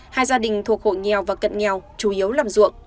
hai gia đình thuộc hộ nghèo và cận nghèo chủ yếu làm ruộng